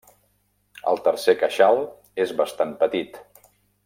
El tercer queixal és bastant petit.